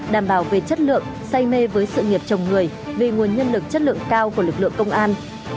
đảm bảo về chất lượng say mê với sự nghiệp chồng người vì nguồn nhân lực chất lượng cao của lực lượng công an